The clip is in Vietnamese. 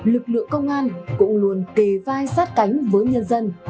lực lượng công an cũng luôn kề vai sát cánh với nhân dân